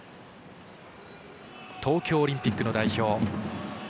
東京オリンピックの代表。